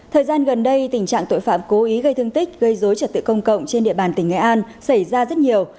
thời gian gần đây tình trạng tội phạm cố ý gây thương tích gây dối trật tự công cộng trên địa bàn tỉnh nghệ an xảy ra rất nhiều